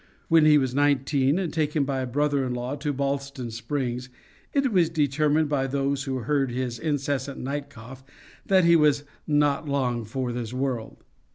When he was nineteen, and taken by a brother in law to Ballston springs, it was determined by those who heard his incessant night cough that he was "not long for this world."